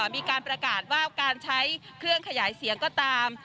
มีการประกาศว่าการใช้เครื่องขยายเสียงก็ตาม